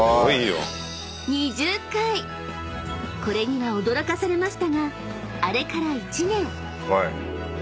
［これには驚かされましたがあれから１年］